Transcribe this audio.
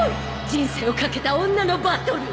人生をかけた女のバトル！